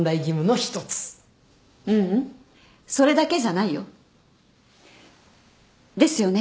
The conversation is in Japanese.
ううんそれだけじゃないよ。ですよね？